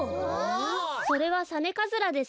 それはサネカズラですね。